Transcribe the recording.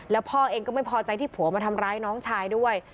แล้วพ่อเองก็ไม่พอใจที่ผัวมาทำร้ายน้องชายด้วย